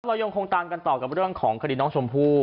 เรายังคงตามกันต่อกับเรื่องของคดีน้องชมพู่